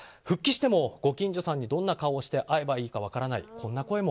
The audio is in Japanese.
復帰してもご近所さんにどんな顔をして会えばいいか分からない。